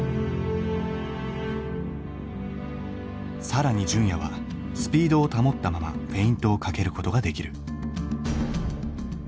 更に純也はスピードを保ったままフェイントをかけることができる。